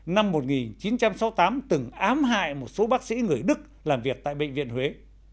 năm một nghìn chín trăm sáu mươi tám từng ám hại một số bác sĩ người đức làm việc tại bệnh viện huế